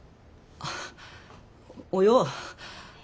およ。